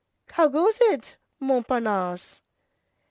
How goes it, Montparnasse?"